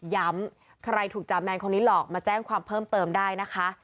ใครถูกจาแมนคนนี้หลอกมาแจ้งความเพิ่มเติมได้นะคะ